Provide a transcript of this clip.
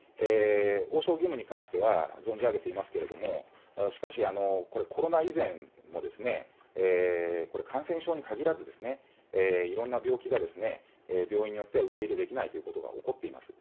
応召義務に関しては、存じ上げていますけれども、しかし、コロナ以前もこれ、感染症に限らず、いろんな病気が、病院によっては受け入れできないということが起こっています。